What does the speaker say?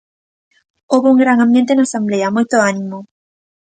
Houbo un gran ambiente na asemblea, moito ánimo.